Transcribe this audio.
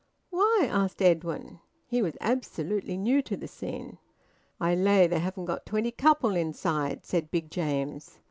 "Why?" asked Edwin. He was absolutely new to the scene. "I lay they haven't got twenty couple inside," said Big James.